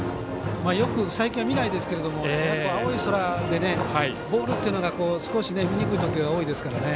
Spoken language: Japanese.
よく最近は見ないですけど青い空で、ボールというのが少し見にくい時が多いですからね。